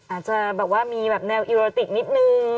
อาจจะแบบว่ามีแบบแนวอิโรติกนิดนึง